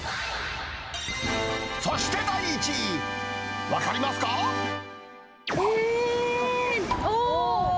そして第１位、えー！